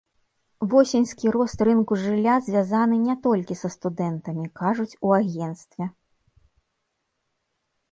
Восеньскі рост рынку жылля звязаны не толькі са студэнтамі, кажуць у агенцтве.